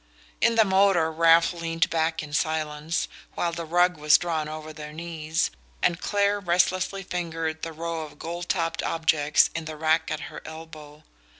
In the motor Ralph leaned back in silence, while the rug was drawn over their knees, and Clare restlessly fingered the row of gold topped objects in the rack at her elbow.